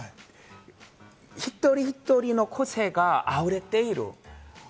一人一人の個性があふれている。